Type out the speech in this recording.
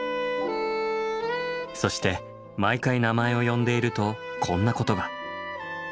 そして毎回名前を呼んでいるとこんなことが。